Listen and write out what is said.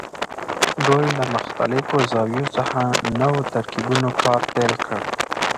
دوی له مختلفو زاویو څخه نوو ترکیبونو کار پیل کړ.